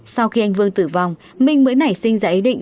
sau khi anh vương tử vong minh mới nảy sinh ra ý định